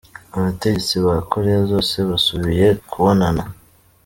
Abategetsi ba Korea zose basubiye kubonana .